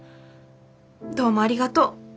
どうもありがとう。